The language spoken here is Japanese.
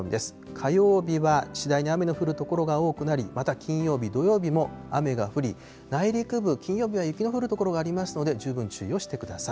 火曜日は次第に雨の降る所が多くなり、また金曜日、土曜日も雨が降り、内陸部、金曜日は雪の降る所がありますので、十分注意をしてください。